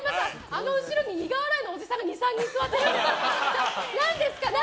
あの後ろに苦笑いのおじさんが２３人座ってるんですけど何ですか？